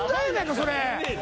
それ。